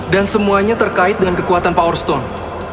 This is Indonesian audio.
dan semuanya terkait dengan kekuatan power stone